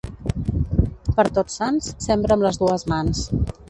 Per Tots Sants sembra amb les dues mans.